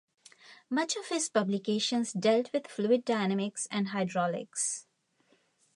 Much of his publications dealt with fluid dynamics and hydraulics.